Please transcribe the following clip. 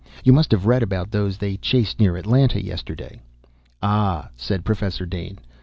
You must have read about those they chased near Atlanta yesterday." "Ah," said Professor Dane.